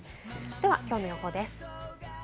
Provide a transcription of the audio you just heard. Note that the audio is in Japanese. ではきょうの予報です。